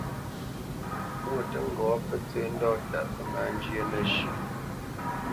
Mwô tə́ ŋgɔ́, pə́ tsə́ ndɔ́ta pə́ má njyə́ nəshʉ̌.